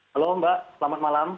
halo mbak selamat malam